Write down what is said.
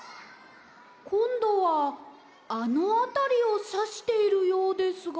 こんどはあのあたりをさしているようですが。